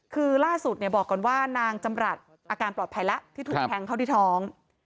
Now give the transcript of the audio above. คือล่าสุดบอกว่านางจำรัดอาการปลอดภัยละที่ถูกแพงเข้าที่ท้อง